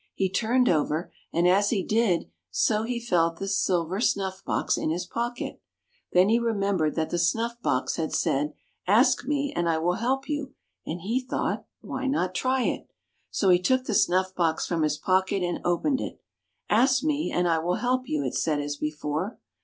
He turned over, and as he did so he felt the silver snuff box in his pocket. Then he remembered that the snuff box had said, " Ask me, and I will help you," and he thought, " Why not try it? " So he took the snuff box from his pocket and opened it. " Ask me, and I will help you," it said as before.